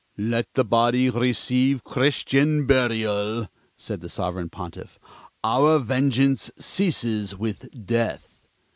"Let the body receive Christian burial," said the Sovereign Pontiff. "Our vengeance ceases with death."